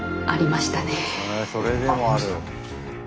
それでもある。